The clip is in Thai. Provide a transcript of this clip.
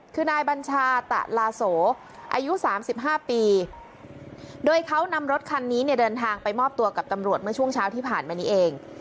คือนายบัญชาตะลาโสอายุ๓๕ปีโดยเขานำรถคันนี้เนี่ยเดินทางไปมอบตัวกับตำรวจเมื่อช่วงเช้าที่ผ่านมานี้เอง